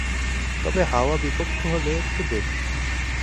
তবে হাওয়া বিপক্ষ হলে একটু দেরী।